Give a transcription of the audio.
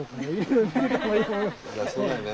そうだよね。